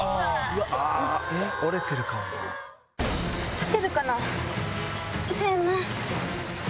立てるかな？せの。